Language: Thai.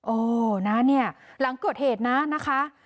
โอ้นะเนี่ยหลังเกิดเหตุนะนะคะ